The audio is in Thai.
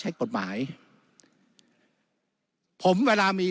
วุฒิสภาจะเขียนไว้ในข้อที่๓๐